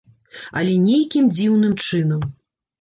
Але нейкім дзіўным чынам.